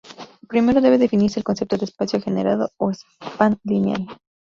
Primero debe definirse el concepto de "espacio generado" o "span lineal".